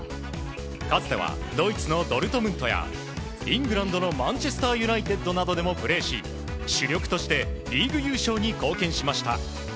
かつてはドイツのドルトムントやイングランドのマンチェスター・ユナイテッドなどでもプレーし主力としてリーグ優勝に貢献しました。